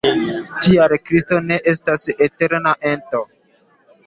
Tial Kristo ne estas eterna ento.